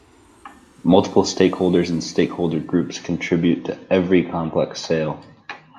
Multiple stakeholders and stakeholder groups contribute to every complex sale.